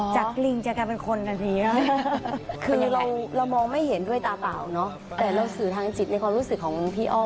จริงจะกลายเป็นคนทันทีคือเรามองไม่เห็นด้วยตาเปล่าเนาะแต่เราสื่อทางจิตในความรู้สึกของพี่อ้อ